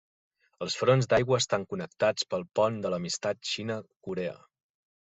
Els fronts d'aigua estan connectats pel Pont de l'Amistat Xina-Corea.